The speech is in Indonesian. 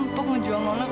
tambah ganteng pak